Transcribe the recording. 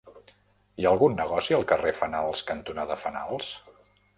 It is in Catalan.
Hi ha algun negoci al carrer Fenals cantonada Fenals?